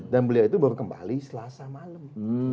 dan beliau itu baru kembali selasa malam